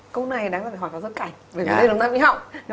câu này đáng là phải hỏi phó giáo sư cảnh về vấn đề đồng tác mỹ họng